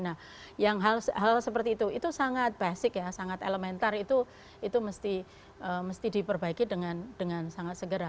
nah yang hal seperti itu itu sangat basic ya sangat elementar itu mesti diperbaiki dengan sangat segera